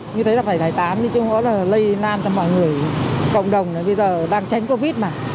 như thế là phải thải tán đi chứ không có lây nan cho mọi người cộng đồng này bây giờ đang tránh covid mà